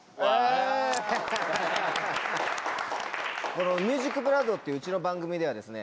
この『ＭＵＳＩＣＢＬＯＯＤ』っていううちの番組ではですね